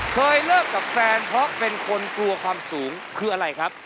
เคยเลิกกับแฟนเพราะเป็นคนกลัวความสูงคืออะไรครับ